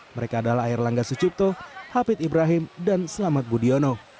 mereka adalah air langga sucipto hafid ibrahim dan selamat budiono